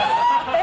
え！？